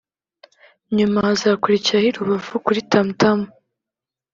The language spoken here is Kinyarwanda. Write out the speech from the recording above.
nyuma hazakurikiraho i Rubavu kuri Tamu Tamu